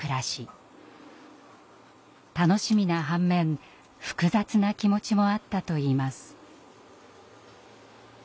楽しみな半面複雑な気持ちもあったといいます。